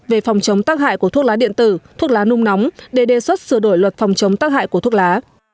về phòng chống tác hại của thuốc lá điện tử thuốc lá nung nóng để đề xuất sửa đổi luật phòng chống tác hại của thuốc lá